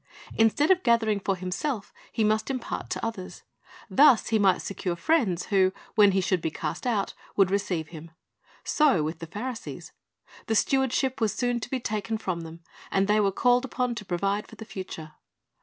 Instead of gathering for himself, he must impart to others. Thus he might secure friends, who, when he should be cast out, would receive him. So with the Pharisees. The steward ship was soon to be taken from them, and they were called upon to provide for the future.